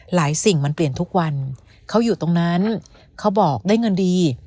สิ่งมันเปลี่ยนทุกวันเขาอยู่ตรงนั้นเขาบอกได้เงินดี